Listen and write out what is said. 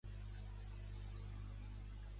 Va ser creat per Imaginary Forces.